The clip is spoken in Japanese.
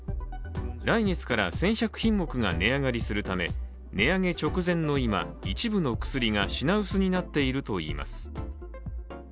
来月から１１００品目が値上がりするため値上げ直前の今一部の薬が品薄になっているといいます。